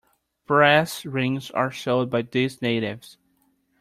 Brass rings are sold by these natives.